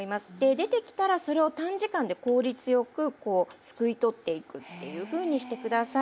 出てきたらそれを短時間で効率よくこうすくい取っていくというふうにして下さい。